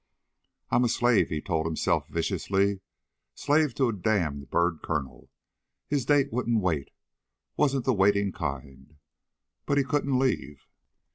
"I'm a slave," he told himself viciously; "slave to a damned bird colonel." His date wouldn't wait wasn't the waiting kind. But he couldn't leave.